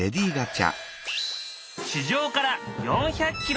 地上から４００キロ